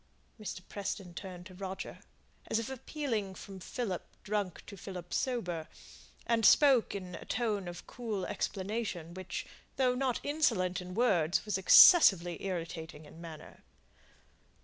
Mr. Preston turned to Roger, as if appealing from Philip drunk to Philip sober, and spoke in a tone of cool explanation, which, though not insolent in words, was excessively irritating in manner.